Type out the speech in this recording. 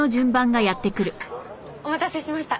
お待たせしました。